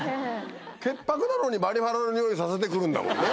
潔白なのにマリフアナのにおいさせて来るんだもんね。